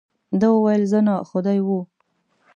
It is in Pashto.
ده وویل، زه نه، خو دی وو.